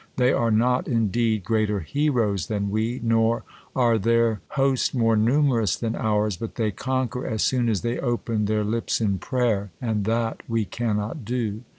They are not, indeed, greater heroes than we, nor are their host more numerous than ours, but they conquer as soon as they open their lips in prayer, and that we cannot do.